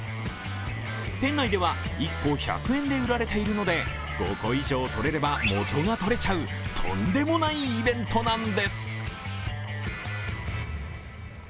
店内では１個１００円で売られているので５個以上取れれば、もとがとれちゃう、とんでもないイベントなんです。